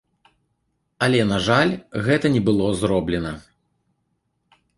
Але, на жаль, гэта не было зроблена.